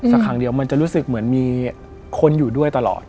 ครั้งเดียวมันจะรู้สึกเหมือนมีคนอยู่ด้วยตลอด